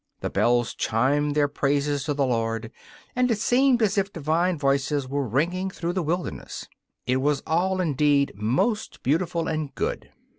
The bells chimed their praises to the Lord, and it seemed as if divine voices were ringing through the wilderness. It was all, indeed, most beautiful and good.